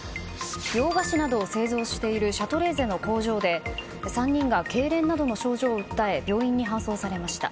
洋菓子などを製造しているシャトレーゼの工場で３人がけいれんなどの症状を訴え病院に搬送されました。